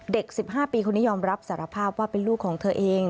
๑๕ปีคนนี้ยอมรับสารภาพว่าเป็นลูกของเธอเอง